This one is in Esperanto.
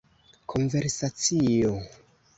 konversacio